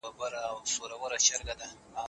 دې کيسې ثابته کړه چې پوهه تر ډېرو شیانو لوړه ده.